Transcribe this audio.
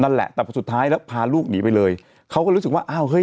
นั่นแหละแต่พอสุดท้ายแล้วพาลูกหนีไปเลยเขาก็รู้สึกว่าอ้าวเฮ้